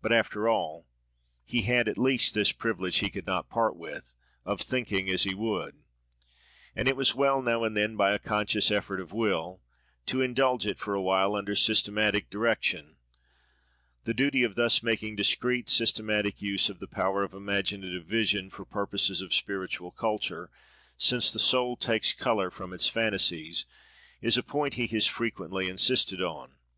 But after all he had at least this privilege he could not part with, of thinking as he would; and it was well, now and then, by a conscious effort of will, to indulge it for a while, under systematic direction. The duty of thus making discreet, systematic use of the power of imaginative vision for purposes of spiritual culture, "since the soul takes colour from its fantasies," is a point he has frequently insisted on.